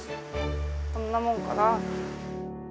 こんなもんかな。